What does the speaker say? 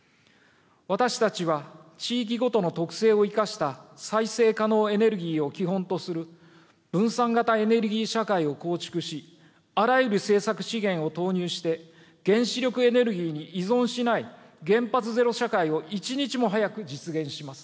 私たちは地域ごとの特性を生かした、再生可能エネルギーを基本とする、分散型エネルギー社会を構築し、あらゆる政策資源を投入して、原子力エネルギーに依存しない原発ゼロ社会を一日も早く実現します。